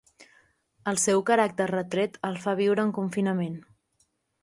El seu caràcter retret el fa viure en confinament.